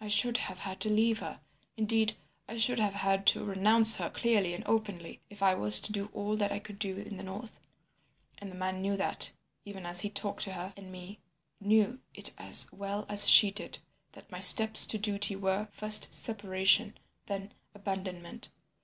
I should have had to leave her; indeed, I should have had to renounce her clearly and openly, if I was to do all that I could do in the north. And the man knew that, even as he talked to her and me, knew it as well as she did, that my steps to duty were—first, separation, then abandonment.